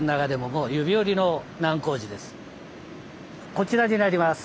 こちらになります。